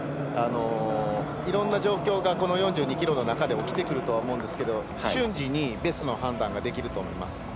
いろんな状況が、この４２ｋｍで起きてくるとは思うんですけど瞬時にベストな判断ができると思います。